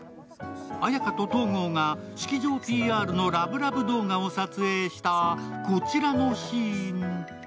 綾華と東郷が式場ＰＲのラブラブ動画を撮影したこちらのシーン。